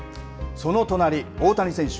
その隣、大谷選手。